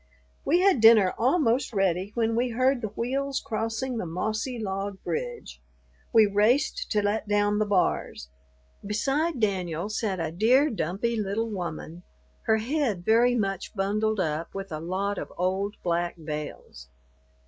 We had dinner almost ready when we heard the wheels crossing the mossy log bridge. We raced to let down the bars. Beside Daniel sat a dear dumpy little woman, her head very much bundled up with a lot of old black veils.